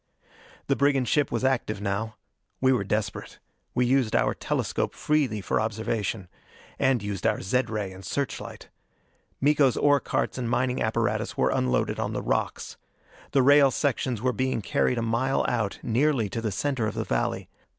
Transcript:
The brigand ship was active now. We were desperate: we used our telescope freely for observation. And used our zed ray and search light. Miko's ore carts and mining apparatus were unloaded on the rocks. The rail sections were being carried a mile out, nearly to the center of the valley.